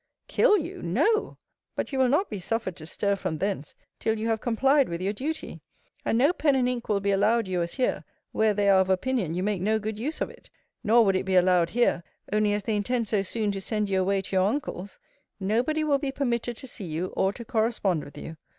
Kill you! No! But you will not be suffered to stir from thence, till you have complied with your duty. And no pen and ink will be allowed you as here; where they are of opinion you make no good use of it: nor would it be allowed here, only as they intend so soon to send you away to your uncle's. No body will be permitted to see you, or to correspond with you.